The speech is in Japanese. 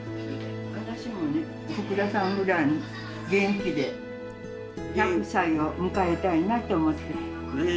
私もね福田さんぐらいに元気で１００歳を迎えたいなと思って。